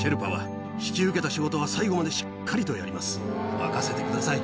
任せてください。